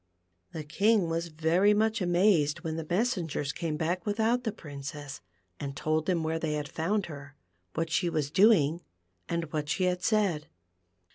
The king was very much amazed when the mes sengers came back without the Princess, and told liim where they had found her, what she was doing, and what she had said.